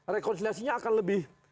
rekonsiliasinya akan lebih